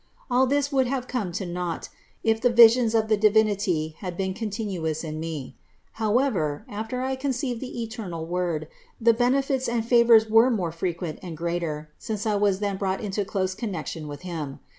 All this would have come to nought, if the visions of the Divinity had been continuous in me. How ever, after I conceived the eternal Word, the benefits and favors were more frequent and greater, since I was then brought into close connection with Him.